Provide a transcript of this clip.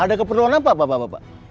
ada keperluan apa bapak